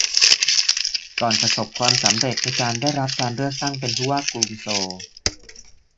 ก่อนประสบความสำเร็จในการได้รับการเลือกตั้งเป็นผู้ว่ากรุงโซล